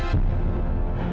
emosiur di tempat ya ya